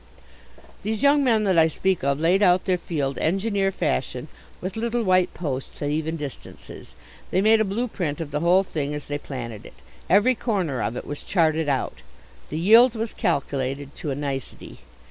These young men that I speak of laid out their field engineer fashion with little white posts at even distances. They made a blueprint of the whole thing as they planted it. Every corner of it was charted out. The yield was calculated to a nicety.